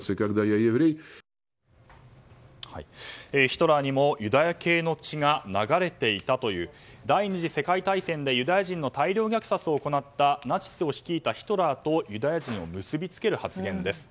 ヒトラーにもユダヤ系の血が流れていたという第２次世界大戦でユダヤ人の大量虐殺を行ったナチスを率いたヒトラーとユダヤ人を結び付ける発言です。